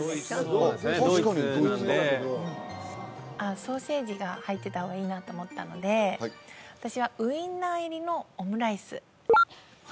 そうですねドイツなんでソーセージが入ってた方がいいなと思ったので私はウインナー入りのオムライス